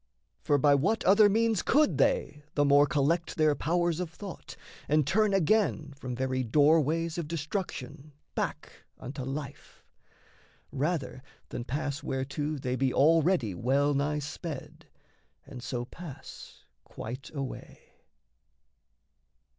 For by what other means could they the more Collect their powers of thought and turn again From very doorways of destruction Back unto life, rather than pass whereto They be already well nigh sped and so Pass quite away?